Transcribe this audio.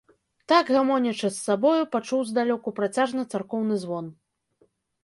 Так гамонячы з сабою, пачуў здалёку працяжны царкоўны звон.